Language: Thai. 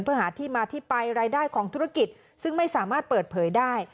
เพื่อหาที่มาที่ไปรายได้ของธุรกิจซึ่งไม่สามารถเปิดเผยได้